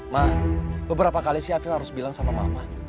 mah beberapa kali sih afiel harus bilang sama mama